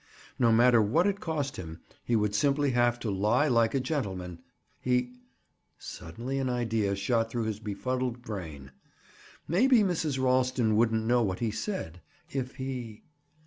No matter what it cost him, he would simply have to "lie like a gentleman." He— Suddenly an idea shot through his befuddled brain. Maybe Mrs. Ralston wouldn't know what he said, if he—?